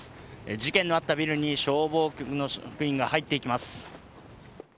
事件のあったビルに消防の職員が入っていきます。